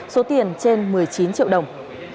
số tiền trên một mươi chín triệu đồng